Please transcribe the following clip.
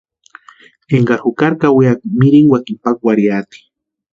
Énkari jukari kawiaka mirinkwakini pakwarhiati.